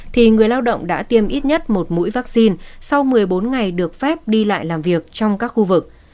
thì người lao động đã tiêm ít nhất một mũi vaccine sau một mươi bốn ngày được phép đi lại làm việc trong các khu vực